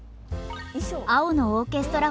「青のオーケストラ」